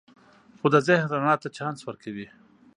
خوب د ذهن رڼا ته چانس ورکوي